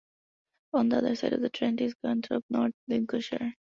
On the other side of the Trent is Gunthorpe, North Lincolnshire.